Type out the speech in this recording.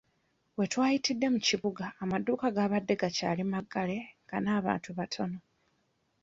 We twayitidde mu kibuga amaduuka gaabadde gakyali maggale nga n'abantu batono